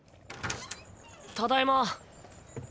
ただいま。